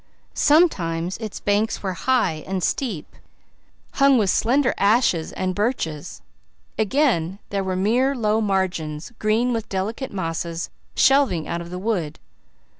Sometimes its banks were high and steep, hung with slender ashes and birches; again they were mere, low margins, green with delicate mosses, shelving out of the wood.